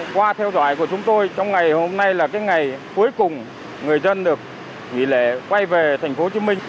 qua theo dõi của chúng tôi trong ngày hôm nay là ngày cuối cùng người dân được nghỉ lễ quay về thành phố hồ chí minh